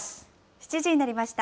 ７時になりました。